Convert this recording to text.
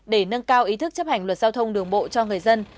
để nâng cao ý thức chấp hành luật giao thông đường bộ cho người dân